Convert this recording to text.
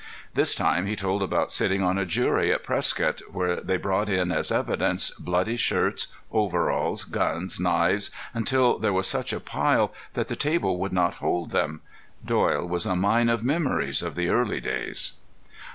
This time he told about sitting on a jury at Prescott where they brought in as evidence bloody shirts, overalls, guns, knives, until there was such a pile that the table would not hold them. Doyle was a mine of memories of the early days.